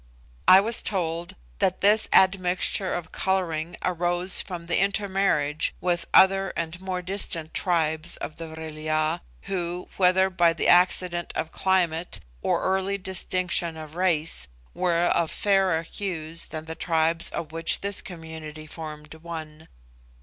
I was told that this admixture of colouring arose from intermarriage with other and more distant tribes of the Vril ya, who, whether by the accident of climate or early distinction of race, were of fairer hues than the tribes of which this community formed one.